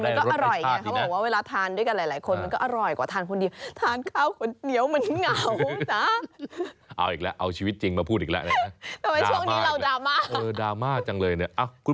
มันก็อร่อยไงเค้าเขาบอกว่าเวลาทานด้วยกับหลายคน